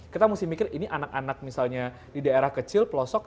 kita mesti mikir ini anak anak misalnya di daerah kecil pelosok